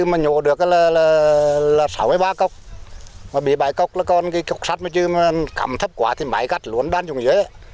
mà bẫy bẫy cọc là còn cái cọc sắt mà chứ cắm thấp quá thì máy gặt luôn đánh dùng dưới